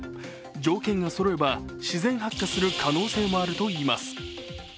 条件がそろえば自然発火する可能性もあるといいます。